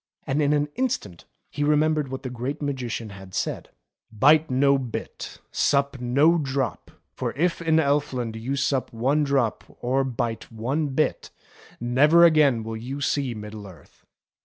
And in an instant he remembered what the Great Magician had said :" Bite no bit, sup no drop, for if in Elf land you sup one drop or bite one bit, never again will you see Middle Earth."